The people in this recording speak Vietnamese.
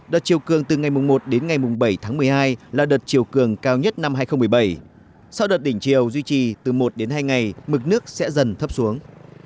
đợt chiều cường từ ngày một đến ngày bảy tháng một mươi hai là đợt chiều cường cao nhất năm hai nghìn một mươi bảy sau đợt đỉnh chiều duy trì từ một đến hai ngày mực nước sẽ dần thấp xuống